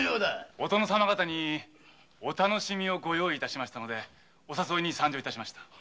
お殿様方にお楽しみをご用意したのでお誘いに参上しました。